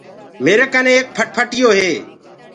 ميري ڪني ايڪ موٽر سيڪل هي۔